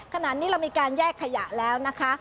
ขณะนี้เรามีการแยกขยะแล้วนะคะ